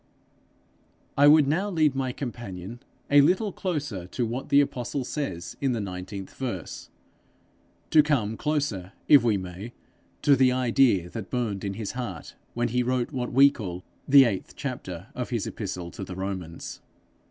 I would now lead my companion a little closer to what the apostle says in the nineteenth verse; to come closer, if we may, to the idea that burned in his heart when he wrote what we call the eighth chapter of his epistle to the Romans.